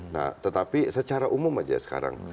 nah tetapi secara umum aja sekarang